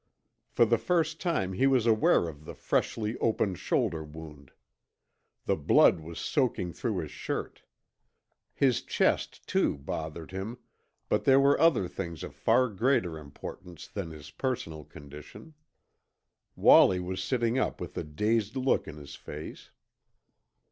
For the first time he was aware of the freshly opened shoulder wound. The blood was soaking through his shirt. His chest, too, bothered him, but there were other things of far greater importance than his personal condition. Wallie was sitting up with a dazed look in his face.